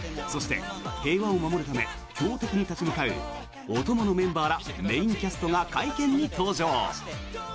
そして、平和を守るため強敵に立ち向かうお供のメンバーらメインキャストが会見に登場。